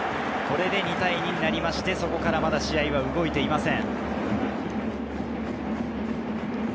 これで２対２になって、そこからまだ試合は動いていません。